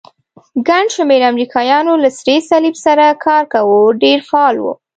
ګڼ شمېر امریکایانو له سرې صلیب سره کار کاوه، ډېر فعال وو.